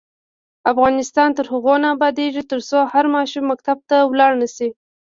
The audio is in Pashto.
افغانستان تر هغو نه ابادیږي، ترڅو هر ماشوم مکتب ته لاړ نشي.